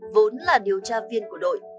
vốn là điều tra viên của đội